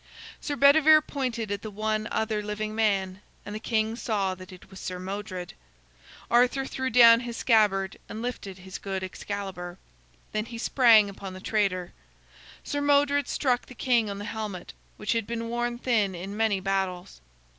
Sir Bedivere pointed at the one other living man, and the king saw that it was Sir Modred. Arthur threw down his scabbard and lifted his good Excalibur. Then he sprang upon the traitor. Sir Modred struck the king on the helmet, which had been worn thin in many battles.